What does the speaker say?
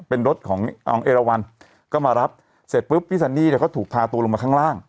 เป็นรถของเอราวันก็มารับเสร็จปุ๊บพี่ซันนี่เนี่ยก็ถูกพาตัวลงมาข้างล่าง